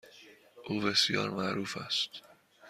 او بسیار معروف است.